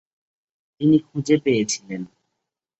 তিনি খুঁজে পেয়েছিলেন।